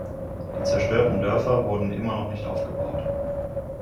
Die zerstörten Dörfer wurden immer noch nicht aufgebaut.